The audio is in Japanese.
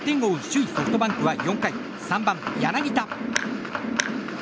首位ソフトバンクは４回３番、柳田。